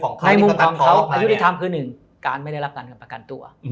ในมุมของเขาอายุที่ทำคือ๑การไม่ได้รับการเงินประกันตัว